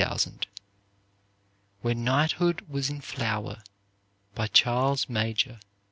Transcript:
113,000 "When Knighthood Was in Flower," by Charles Major